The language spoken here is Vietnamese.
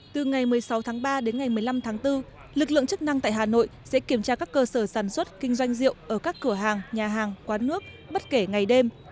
từ ngày một mươi sáu tháng ba đến ngày một mươi năm tháng bốn lực lượng chức năng tại hà nội sẽ kiểm tra các cơ sở sản xuất kinh doanh rượu ở các cửa hàng nhà hàng quán nước bất kể ngày đêm